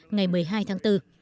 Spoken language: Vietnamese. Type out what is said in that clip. ngày một mươi hai tháng bốn